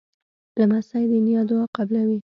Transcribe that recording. لمسی د نیا دعا قبلوي.